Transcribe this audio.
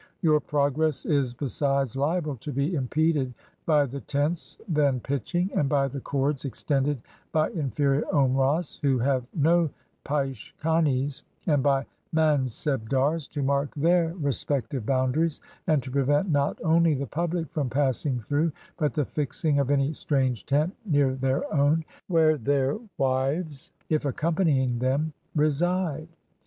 Your progress is besides Hable to be impeded by the tents then pitching, and by the cords extended by inferior Omrahs, who have no peiche kanes, and by Mansebdars to mark their respective boundaries, and to prevent not only the public from passing through, but the fixing of any strange tent near their own, where their wives, if accompanying them, reside.